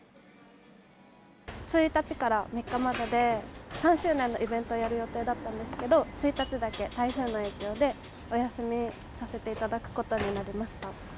１日から３日までで３周年のイベントをやる予定だったんですけど、１日だけ台風の影響で、お休みさせていただくことになりました。